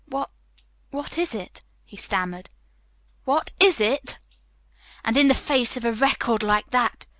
"What what is it?" he stammered. "'What is it?' and in the face of a record like that!"